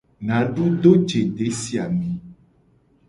Nadu do je desi a me.